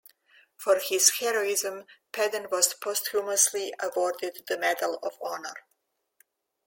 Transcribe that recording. For his heroism, Peden was posthumously awarded the Medal of Honor.